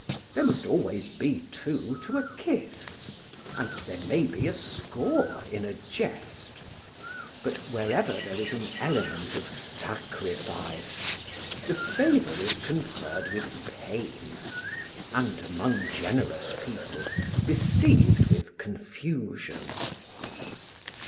There must always be two to a kiss, and there may be a score in a jest; but wherever there is an element of sacrifice, the favour is conferred with pain, and, among generous people, received with confusion.